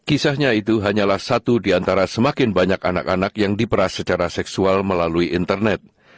kisahnya itu hanyalah satu di antara semakin banyak anak anak yang diperas secara seksual melalui internet